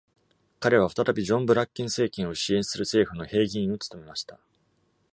彼は再び、ジョン・ブラッケン政権を支援する政府の平議員を務めました。